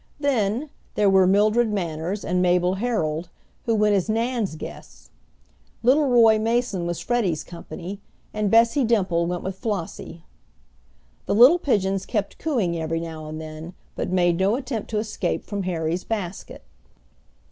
Then, there were Mildred Manners and Mabel Herold, who went as Nan's guests; little Roy Mason was Freddie's company, and Bessie Dimple went with Flossie. The little pigeons kept cooing every now and then, but made no attempt to escape from Harry's basket.